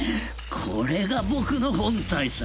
これが僕の本体さ。